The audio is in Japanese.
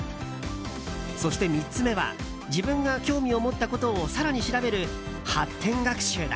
そして、３つ目は自分が興味を持ったことを更に調べる発展学習だ。